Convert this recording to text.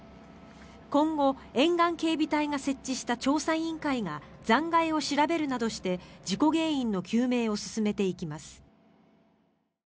今後、沿岸警備隊が設置した調査委員会が残骸を調べるなどして事故原因の究明を進めていきます。